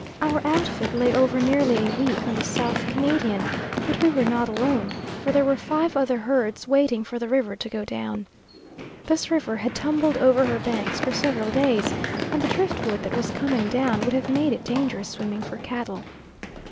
Our outfit lay over nearly a week on the South Canadian, but we were not alone, for there were five other herds waiting for the river to go down. This river had tumbled over her banks for several days, and the driftwood that was coming down would have made it dangerous swimming for cattle.